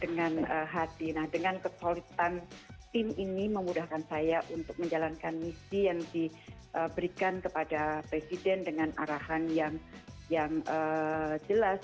nah dengan kesolidan tim ini memudahkan saya untuk menjalankan misi yang diberikan kepada presiden dengan arahan yang jelas